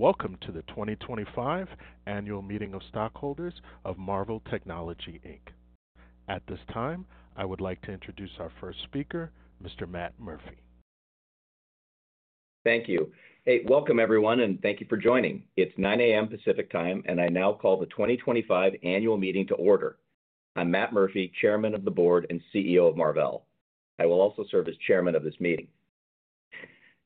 Welcome to the 2025 Annual Meeting of Stockholders of Marvell Technology. At this time, I would like to introduce our first speaker, Mr. Matt Murphy. Thank you. Hey, welcome everyone, and thank you for joining. It's 9:00 A.M. Pacific time, and I now call the 2025 Annual Meeting to order. I'm Matt Murphy, Chairman of the Board and CEO of Marvell. I will also serve as Chairman of this meeting.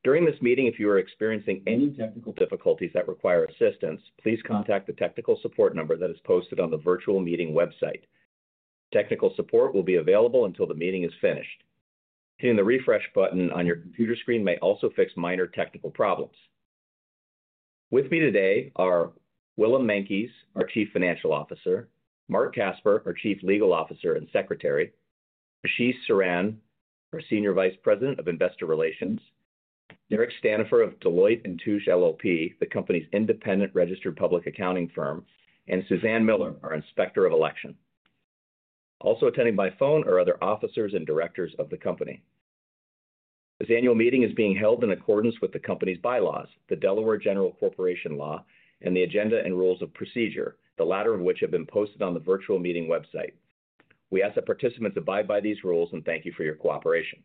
During this meeting, if you are experiencing any technical difficulties that require assistance, please contact the technical support number that is posted on the virtual meeting website. Technical support will be available until the meeting is finished. Hitting the refresh button on your computer screen may also fix minor technical problems. With me today are Willem Meintjes, our Chief Financial Officer; Mark Casper, our Chief Legal Officer and Secretary; Ashish Saran, our Senior Vice President of Investor Relations; Derek Stanifer of Deloitte & Touche LLP, the company's independent registered public accounting firm; and Suzanne Miller, our Inspector of Election.Also attending by phone are other officers and directors of the company. This annual meeting is being held in accordance with the company's bylaws, the Delaware General Corporation Law, and the agenda and rules of procedure, the latter of which have been posted on the virtual meeting website. We ask that participants abide by these rules and thank you for your cooperation.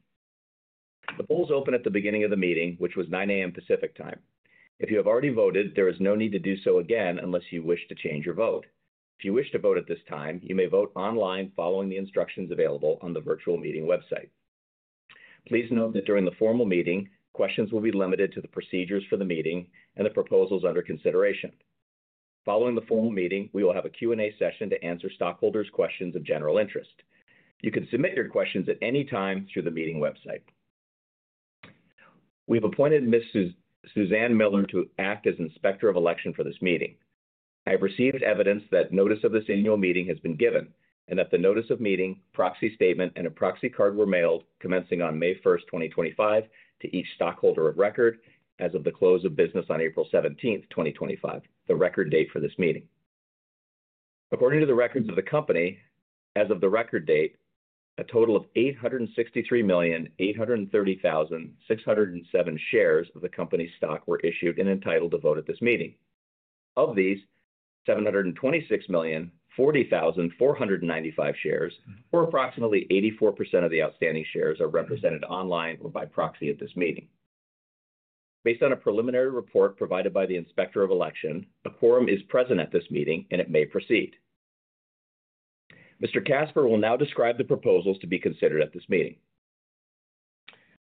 The polls open at the beginning of the meeting, which was 9:00 A.M. Pacific time. If you have already voted, there is no need to do so again unless you wish to change your vote. If you wish to vote at this time, you may vote online following the instructions available on the virtual meeting website. Please note that during the formal meeting, questions will be limited to the procedures for the meeting and the proposals under consideration. Following the formal meeting, we will have a Q&A session to answer stockholders' questions of general interest. You can submit your questions at any time through the meeting website. We have appointed Ms. Suzanne Miller to act as Inspector of Election for this meeting. I have received evidence that notice of this annual meeting has been given and that the notice of meeting, proxy statement, and a proxy card were mailed commencing on May 1, 2025, to each stockholder of record as of the close of business on April 17, 2025, the record date for this meeting. According to the records of the company as of the record date, a total of 863,830,607 shares of the company's stock were issued and entitled to vote at this meeting. Of these, 726,040,495 shares, or approximately 84% of the outstanding shares, are represented online or by proxy at this meeting. Based on a preliminary report provided by the Inspector of Election, a quorum is present at this meeting, and it may proceed. Mr. Kasper will now describe the proposals to be considered at this meeting.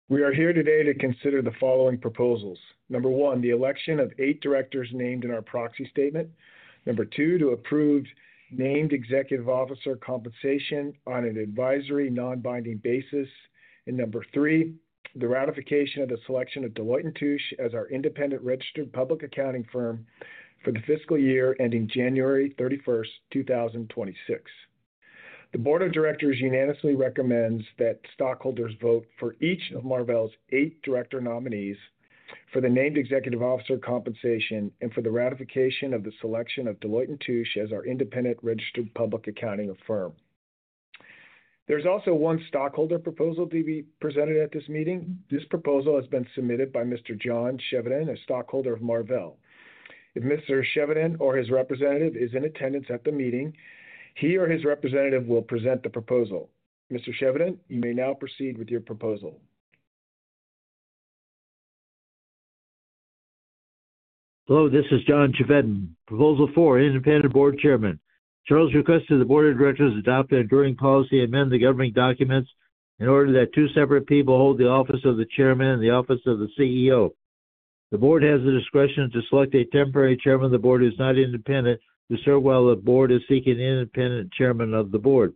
We are here today to consider the following proposals: Number one, the election of eight directors named in our proxy statement. Number two, to approve named executive officer compensation on an advisory non-binding basis. Number three, the ratification of the selection of Deloitte & Touche as our independent registered public accounting firm for the fiscal year ending January 31st, 2026. The Board of Directors unanimously recommends that stockholders vote for each of Marvell's eight director nominees, for the named executive officer compensation, and for the ratification of the selection of Deloitte & Touche as our independent registered public accounting firm. There is also one stockholder proposal to be presented at this meeting. This proposal has been submitted by Mr. John Chevedden, a stockholder of Marvell. If Mr. Chevedden or his representative is in attendance at the meeting, he or his representative will present the proposal. Mr. Chevedden, you may now proceed with your proposal. Hello, this is John Chevedden. Proposal four independent board chairman. Charles requested the board of directors adopt an enduring policy and amend the governing documents in order that two separate people hold the office of the chairman and the office of the CEO. The board has the discretion to select a temporary chairman of the board who is not independent to serve while the board is seeking an independent chairman of the board.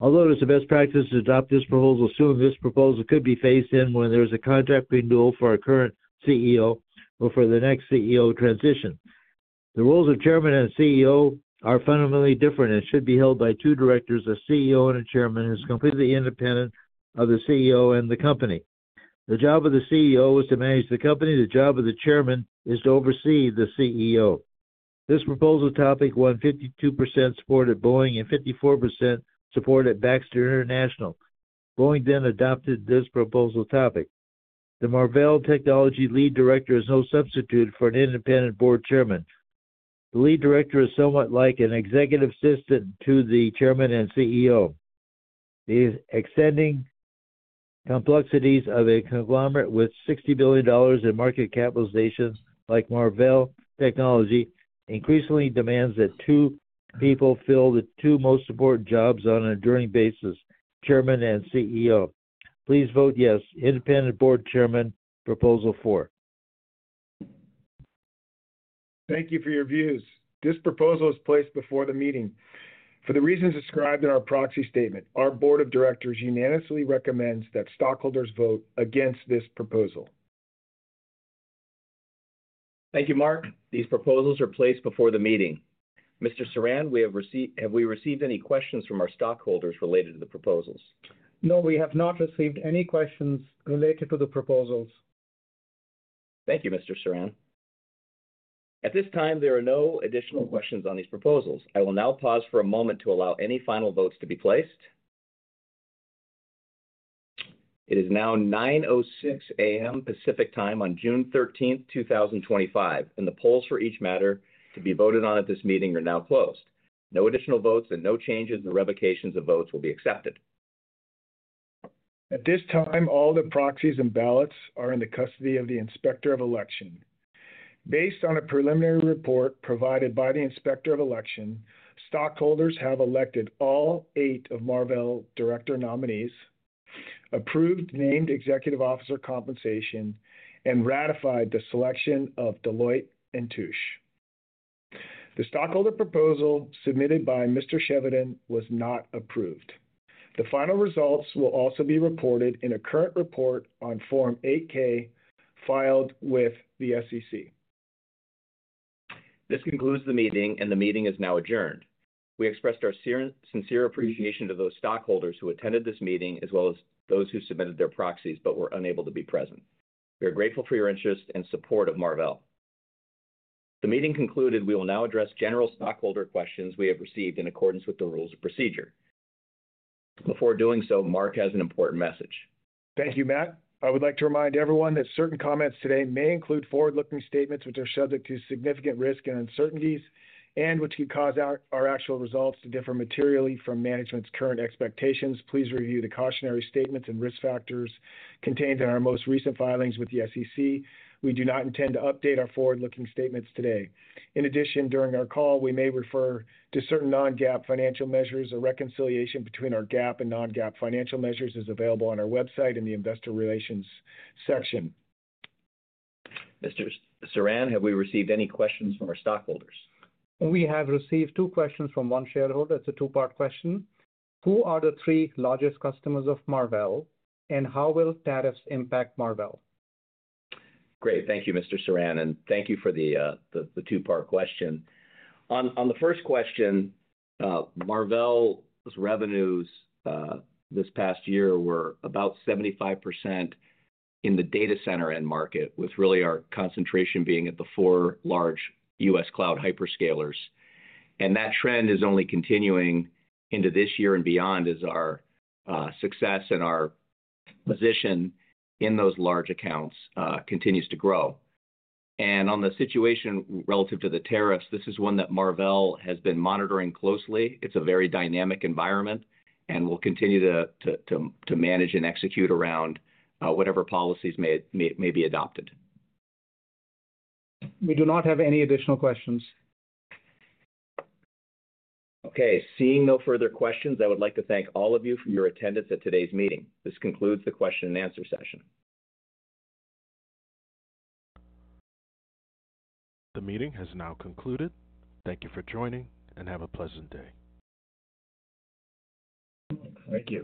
Although it is a best practice to adopt this proposal soon, this proposal could be phased in when there is a contract renewal for our current CEO or for the next CEO to transition. The roles of chairman and CEO are fundamentally different and should be held by two directors, a CEO and a chairman, who is completely independent of the CEO and the company. The job of the CEO is to manage the company. The job of the chairman is to oversee the CEO. This proposal topic won 52% support at Boeing and 54% support at Baxter International. Boeing then adopted this proposal topic. The Marvell Technology lead director is no substitute for an independent board chairman. The lead director is somewhat like an executive assistant to the chairman and CEO. The extending complexities of a conglomerate with $60 billion in market capitalization, like Marvell Technology, increasingly demands that two people fill the two most important jobs on an enduring basis: chairman and CEO. Please vote yes. Independent board chairman proposal four. Thank you for your views. This proposal is placed before the meeting. For the reasons described in our proxy statement, our board of directors unanimously recommends that stockholders vote against this proposal. Thank you, Mark. These proposals are placed before the meeting. Mr. Saran, have we received any questions from our stockholders related to the proposals? No, we have not received any questions related to the proposals. Thank you, Mr. Saran. At this time, there are no additional questions on these proposals. I will now pause for a moment to allow any final votes to be placed. It is now 9:06 A.M. Pacific time on June 13, 2025, and the polls for each matter to be voted on at this meeting are now closed. No additional votes and no changes in the revocations of votes will be accepted. At this time, all the proxies and ballots are in the custody of the Inspector of Election. Based on a preliminary report provided by the Inspector of Election, stockholders have elected all eight of Marvell director nominees, approved named executive officer compensation, and ratified the selection of Deloitte & Touche. The stockholder proposal submitted by Mr. Chevedden was not approved. The final results will also be reported in a current report on Form 8-K filed with the SEC. This concludes the meeting, and the meeting is now adjourned. We expressed our sincere appreciation to those stockholders who attended this meeting, as well as those who submitted their proxies but were unable to be present. We are grateful for your interest and support of Marvell. The meeting concluded. We will now address general stockholder questions we have received in accordance with the rules of procedure. Before doing so, Mark has an important message. Thank you, Matt. I would like to remind everyone that certain comments today may include forward-looking statements which are subject to significant risk and uncertainties and which could cause our actual results to differ materially from management's current expectations. Please review the cautionary statements and risk factors contained in our most recent filings with the SEC. We do not intend to update our forward-looking statements today. In addition, during our call, we may refer to certain non-GAAP financial measures. A reconciliation between our GAAP and non-GAAP financial measures is available on our website in the Investor Relations section. Mr. Saran, have we received any questions from our stockholders? We have received two questions from one shareholder. It's a two-part question. Who are the three largest customers of Marvell, and how will tariffs impact Marvell? Great. Thank you, Mr. Saran, and thank you for the two-part question. On the first question, Marvell's revenues this past year were about 75% in the data center end market, with really our concentration being at the four large U.S. Cloud Hyperscalers. That trend is only continuing into this year and beyond as our success and our position in those large accounts continues to grow. On the situation relative to the tariffs, this is one that Marvell has been monitoring closely. It's a very dynamic environment and will continue to manage and execute around whatever policies may be adopted. We do not have any additional questions. Okay. Seeing no further questions, I would like to thank all of you for your attendance at today's meeting. This concludes the question and answer session. The meeting has now concluded. Thank you for joining, and have a pleasant day. Thank you.